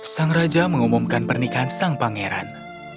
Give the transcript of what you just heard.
sang raja mengumumkan pernikahan sang pangeran